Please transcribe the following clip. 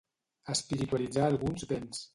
Espiritualitzar alguns béns.